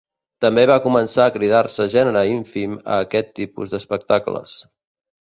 També va començar a cridar-se gènere ínfim a aquest tipus d'espectacles.